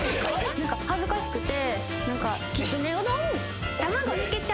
何か恥ずかしくて。